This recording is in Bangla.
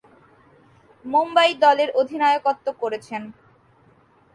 মুম্বই দলের অধিনায়কত্ব করেছেন।